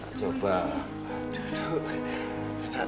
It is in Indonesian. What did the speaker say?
mau coba duduk sini pak